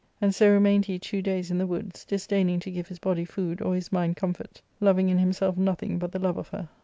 And so remained he two days in the / woods, disdaining to give his body food or his mind comfort, loving in himself nothing but the love of her.